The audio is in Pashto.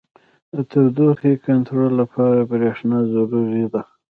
• د تودوخې کنټرول لپاره برېښنا ضروري ده.